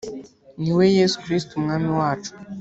ni we Yesu Kristo Umwami wacu.